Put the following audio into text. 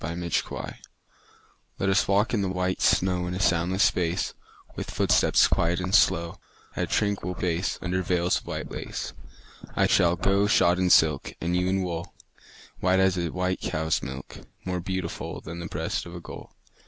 VELVET SHOES Let us walk in the white snow In a soundless space; With footsteps quiet and slow, At a tranquil pace, Under veils of white lace. I shall go shod in silk, And you in wool, White as a white cow's milk, More beautiful Than the breast of a gull.